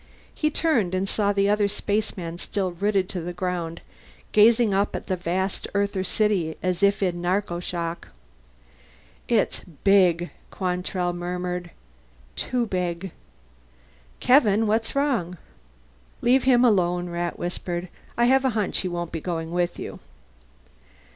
He turned and saw the other spaceman still rooted to the ground, gazing up at the vast Earther city as if in narcoshock. "It's big," Quantrell murmured. "Too big." "Kevin! What's wrong?" "Leave him alone," Rat whispered. "I have a hunch he won't be going with you."